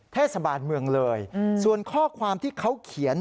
เทศบาลเมืองเลยส่วนข้อความที่เขาเขียน